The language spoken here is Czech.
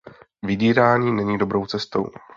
Vydírání není dobrou cestou.